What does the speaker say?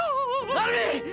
アルミン！！